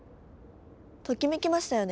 ときめきましたよね？